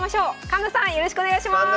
環那さんよろしくお願いします。